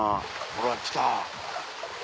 ほら来た。